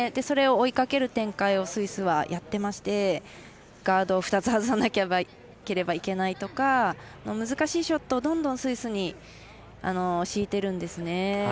それを追いかける展開をスイスはやっていましてガードを２つ外さなければいけないとか難しいショットをどんどんスイスに強いているんですね。